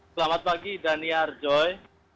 selamat pagi dania arjoy